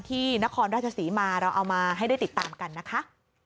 นครราชศรีมาเราเอามาให้ได้ติดตามกันนะคะ